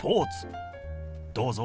どうぞ。